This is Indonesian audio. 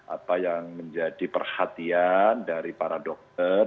apa yang menjadi perhatian dari para dokter